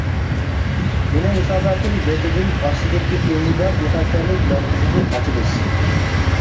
مېنىڭ ھېساباتىم بېتىدىن ئاستىدىكى ئۈندىدار بىخەتەرلىك مەركىزىنى ئاچىمىز.